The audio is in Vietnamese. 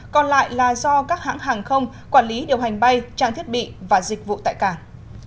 còn lại là do các hãng hàng không quản lý điều hành bay trang thiết bị và dịch vụ tại cảng